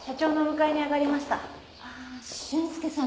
ああ俊介さん